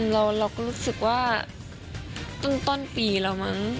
เราก็รู้สึกว่าตั้งต้นปีแล้วมั้ง